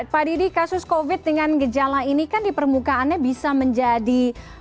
pak didi kasus covid dengan gejala ini kan di permukaannya bisa menjadi